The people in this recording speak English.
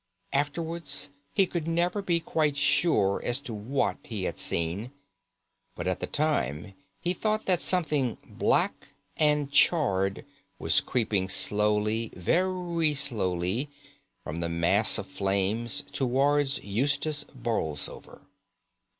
Afterwards he could never be quite sure as to what he had seen, but at the time he thought that something black and charred was creeping slowly, very slowly, from the mass of flames towards Eustace Borlsover.